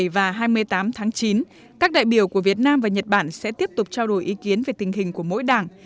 vị biểu của việt nam và nhật bản sẽ tiếp tục trao đổi ý kiến về tình hình của mỗi đảng